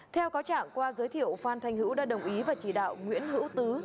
theo cáo trạng qua giới thiệu phan thanh hữu đã đồng ý và chỉ đạo nguyễn hữu tứ